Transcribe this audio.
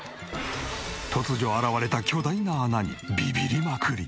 突如現れた巨大な穴にビビりまくり。